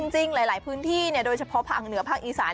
จริงหลายพื้นที่โดยเฉพาะภาคเหนือภาคอีสาน